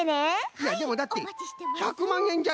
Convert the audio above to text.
いやでもだって１００まんえんじゃよ。